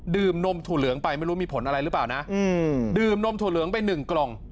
นมถั่วเหลืองไปไม่รู้มีผลอะไรหรือเปล่านะดื่มนมถั่วเหลืองไปหนึ่งกล่อง